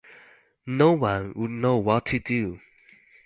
No-one would know what to do.